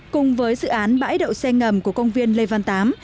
cùng với dự án bãi đậu xe ngầm của công viên lê văn tám